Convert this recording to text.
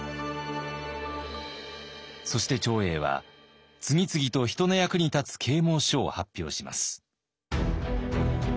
そして長英は次々と人の役に立つ啓もう書を発表します。